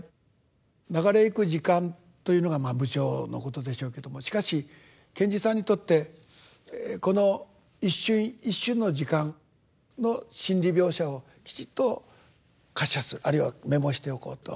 流れゆく時間というのが無常のことでしょうけどもしかし賢治さんにとってこの一瞬一瞬の時間の心理描写をきちっと活写するあるいはメモしておこうと。